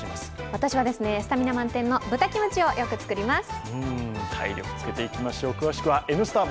私はスタミナ満点の豚キムチをよく作ります。